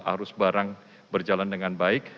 arus barang berjalan dengan baik